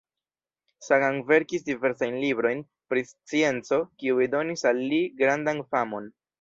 Sagan verkis diversajn librojn, pri scienco, kiuj donis al li grandan famon.